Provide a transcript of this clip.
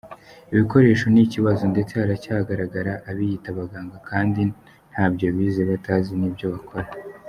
Ibikoresho ni ikibazo ndetse haracyagaragara abiyita abaganga kandi ntabyo bize batazi n’ibyo bakora.